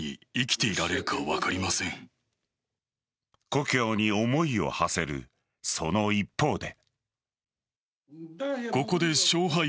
故郷に思いをはせるその一方で。